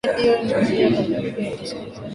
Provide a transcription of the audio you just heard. redio ni njia kamilifu ya kusikiliza nyimbo nzuri sana